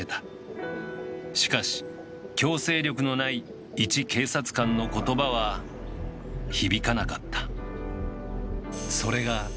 しかし強制力のないいち警察官の言葉は響かなかった。